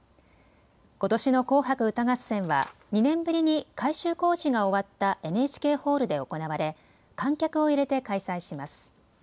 ことしの紅白歌合戦は２年ぶりに改修工事が終わったＮＨＫホールで行われ観客を入れて開催します。